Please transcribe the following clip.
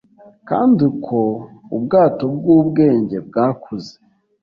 Kandi uko ubwato bwubwenge bwakuze